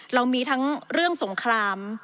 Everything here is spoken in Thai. เรามีทั้งเรื่องสงคราม